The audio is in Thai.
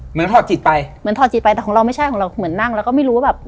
ถอดจิตไปเหมือนถอดจิตไปแต่ของเราไม่ใช่ของเราเหมือนนั่งแล้วก็ไม่รู้ว่าแบบ